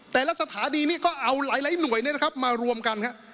แต่ละสถานีนี่ก็เอาหลายหลายหน่วยนี่นะครับมารวมกันครับ